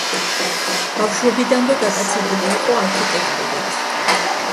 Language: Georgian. ბავშვობიდანვე გატაცებული იყო არქიტექტურით.